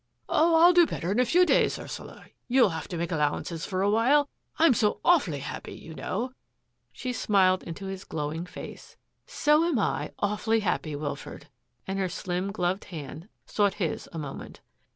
" Oh, I'll do better in a few days, Ursula. You'll have to make al lowances for a while. I'm so awfully happy, you know." She smiled into his glowing face. " So am I * awfully happy,' Wilfred ;" and her slim, gloved hand sought his a moment.